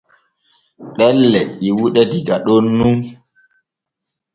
Ɗelle ƴiwuɗe diga ɗon nun.